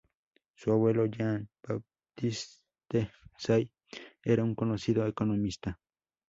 Su abuelo Jean-Baptiste Say era un conocido economista.